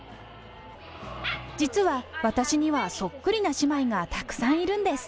実は、私にはそっくりな姉妹がたくさんいるんです。